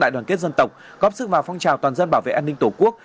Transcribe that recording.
đoàn kết dân tộc góp sức vào phong trào toàn dân bảo vệ an ninh tổ quốc